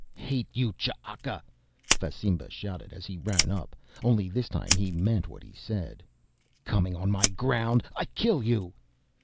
"Hate you, Ch'aka!" Fasimba shouted as he ran up, only this time he meant what he said. "Coming on my ground, I kill you!"